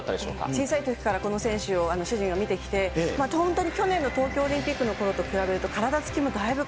小さいときからこの選手を主人は見てきて、本当に去年の東京オリンピックのころと比べると、体つきもだいぶ